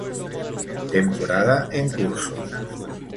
Temporada en curso.